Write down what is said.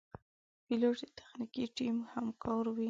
پیلوټ د تخنیکي ټیم همکار وي.